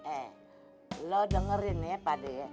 eh lu dengerin nih pak d